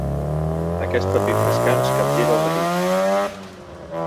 Aquest petit descans capgira el matí.